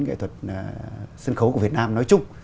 nghệ thuật sân khấu của việt nam nói chung